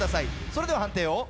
それでは判定をどうぞ。